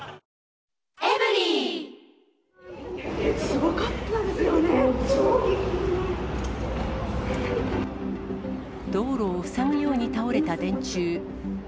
すごかったですよね、超びっ道路を塞ぐように倒れた電柱。